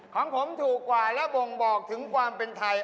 ของผมถูกกว่าและบ่งบอกถึงความเป็นไทย